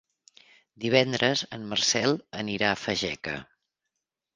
Divendres en Marcel anirà a Fageca.